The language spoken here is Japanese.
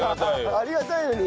ありがたいのに？